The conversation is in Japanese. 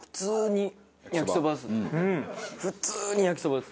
普通に焼きそばです。